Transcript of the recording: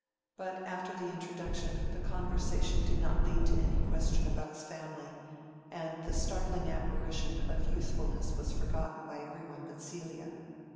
But after the introduction, the conversation did not lead to any question about his family, and the startling apparition of youthfulness was forgotten by every one but Celia.